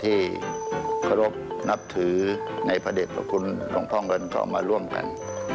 ที่เคารพนับถือในพระเด็จพระคุณหลวงพ่อเงินก็มาร่วมกัน